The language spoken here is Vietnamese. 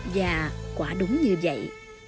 và quả đúng như vậy